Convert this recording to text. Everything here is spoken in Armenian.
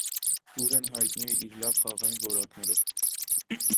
Տուրեն հայտնի է իր լավ խաղային որակներով։